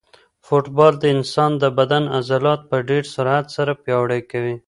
فوټبال د انسان د بدن عضلات په ډېر سرعت سره پیاوړي کوي.